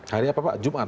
hari apa pak jumat